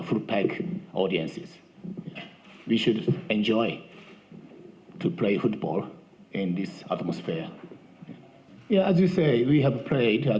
perbedaan dari pertandingan terakhir adalah mereka memiliki kepercayaan